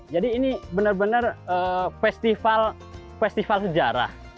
jadi ini benar benar festival sejarah